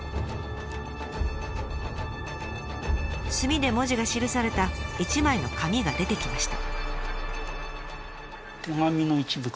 墨で文字が記された一枚の紙が出てきました。